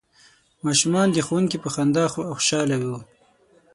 ماشومان د ښوونکي په خندا خوشحاله وو.